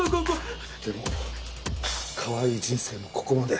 でもかわいい人生もここまで。